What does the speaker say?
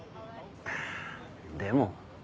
でも。